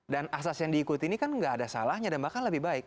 dan asas yang diikuti ini kan nggak ada salahnya dan bahkan lebih baik